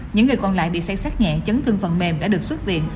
những người còn lại bị say sát nhẹ chấn thương phần mềm đã được xuất viện